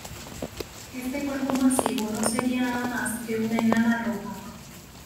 Este cuerpo masivo no sería nada más que una enana roja.